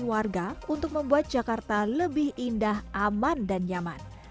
warga untuk membuat jakarta lebih indah aman dan nyaman